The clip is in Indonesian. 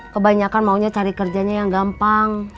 kebanyakan maunya cari kerjanya yang gampang